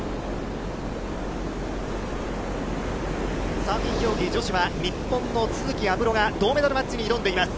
サーフィン競技女子は、日本の都筑有夢路が銅メダルマッチに挑んでいます。